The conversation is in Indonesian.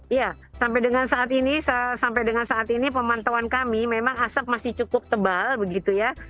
iya sampai dengan saat ini pemantauan kami memang asap masih cukup tebal begitu ya